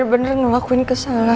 kejadian ini sudah empat tahun lamanya